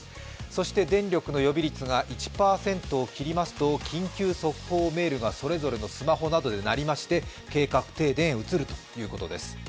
そして電力の予備率が１％を切りますと緊急速報メールがそれぞれのスマホなどで鳴りまして、計画停電へ移るということです。